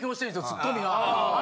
ツッコミは。